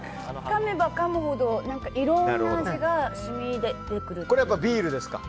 かめばかむほど、いろんな味が染み出てくるというか。